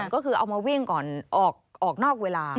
ก็คือเอามาวิ่งก่อนออกนอกเวลา